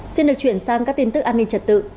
xin được chuyển sang các tin tức an ninh trật tự